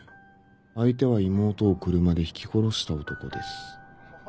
相手は妹を車で轢き殺した男です。